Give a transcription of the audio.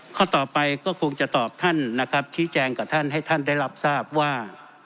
ข้อต่อไปก็คงจะตอบท่านนะครับชี้แจงกับท่านให้ท่านได้รับทราบว่า